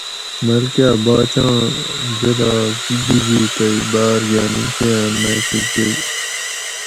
ملکہ باچاۤں جولاگ بِجی تئی باۤر گھان امتحان میکہ گیئے